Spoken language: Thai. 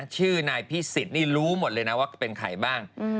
ชื่อนายพิสิทธิ์นี่รู้หมดเลยนะว่าเป็นใครบ้าง